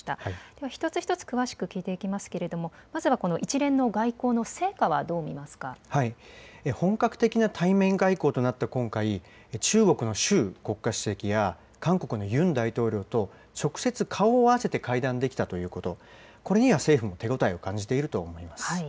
では一つ一つ、詳しく聞いていきますけれども、まずはこの一連の本格的な対面外交となった今回、中国の習国家主席や、韓国のユン大統領と直接顔を合わせて会談できたということ、これには政府も手応えを感じていると思います。